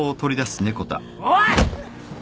おい！